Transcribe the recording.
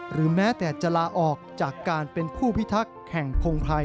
หรือแม้แต่จะลาออกจากการเป็นผู้พิทักษ์แข่งพงภัย